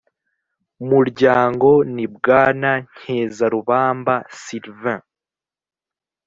muryango ni bwana nkezarubamba sylvain